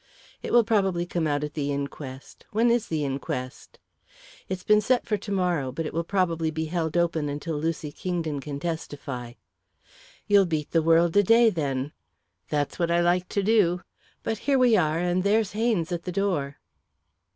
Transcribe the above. "It will probably come out at the inquest. When is the inquest?" "It's been set for to morrow; but it will probably be held open until Lucy Kingdon can testify." "You'll beat the world a day, then." "That's what I like to do. But here we are, and there's Haynes at the door."